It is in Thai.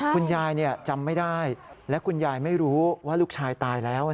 คุณยายจำไม่ได้และคุณยายไม่รู้ว่าลูกชายตายแล้ว